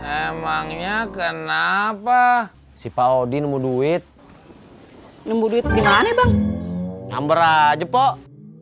emangnya kenapa si pak odi nunggu duit nunggu duit gimana bang number aja pok